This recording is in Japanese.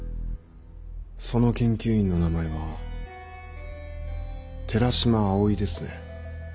その研究員の名前は寺島葵ですね？